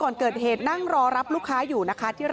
นี่นี่นี่นี่นี่